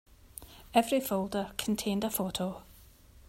Every folder contained a photo.